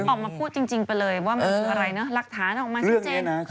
ออกมาพูดจริงไปเลยว่ามันคืออะไรนะหลักฐานออกมาชัดเจน